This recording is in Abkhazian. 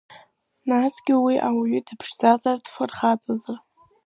Насгьы уи ауаҩ дыԥшӡазар, дфырхаҵазар.